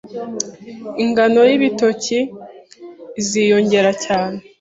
ingano y’ibitoki iziyongera cyane